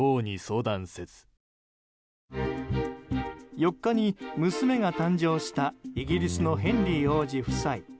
４日に娘が誕生したイギリスのヘンリー王子夫妻。